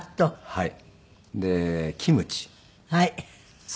はい。